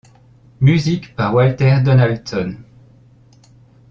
Musique par Walter Donaldson.